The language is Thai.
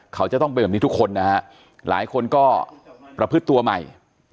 เขาจะต้องเป็นแบบนี้ทุกคนนะฮะหลายคนก็ประพฤติตัวใหม่